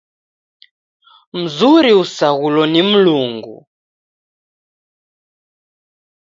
Mzuri usaghulo ni Mlungu.